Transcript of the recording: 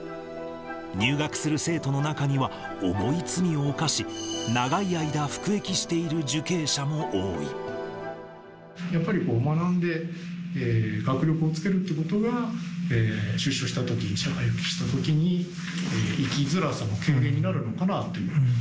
入学する生徒の中には、重い罪を犯し、やっぱり学んで学力をつけるっていうことが、出所したとき、社会復帰したときに、生きづらさの軽減になるのかなというふうに。